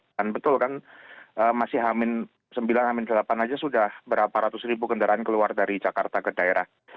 kan betul kan masih hamin sembilan hamin delapan aja sudah berapa ratus ribu kendaraan keluar dari jakarta ke daerah